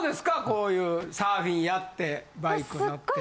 こういうサーフィンやってバイクやって。